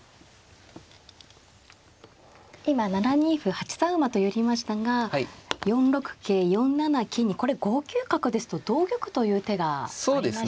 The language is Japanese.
今７二歩８三馬と寄りましたが４六桂４七金にこれ５九角ですと同玉という手がありましたか。